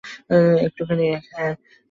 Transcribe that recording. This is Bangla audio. একটুখানি, হ্যাঁ।